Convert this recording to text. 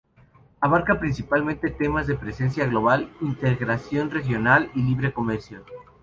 Abarca principalmente temas de presencia global, integración regional y libre comercio.